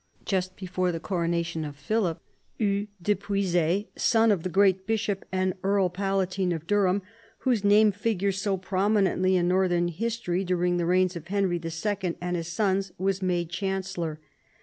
Just before the coronation of Philip, Hugh de Puiset, son of the great bishop and earl palatine of Durham, whose name figures so prominently in northern history during the reigns of Henry II. and his sons, was made chancellor.